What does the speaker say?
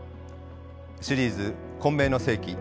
シリーズ「混迷の世紀」